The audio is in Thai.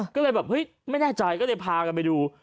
ก็เลยแบบเฮ้ยไม่แน่ใจก็เลยพากันไปดู